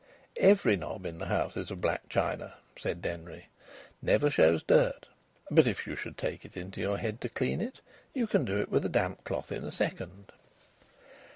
"Every knob in the house is of black china," said Denry. "Never shows dirt. But if you should take it into your head to clean it, you can do it with a damp cloth in a second."